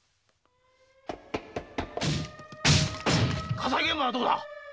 火災現場はどこだ！？